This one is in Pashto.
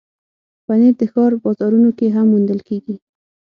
پنېر د ښار بازارونو کې هم موندل کېږي.